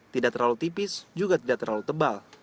tidak terlalu tipis juga tidak terlalu tebal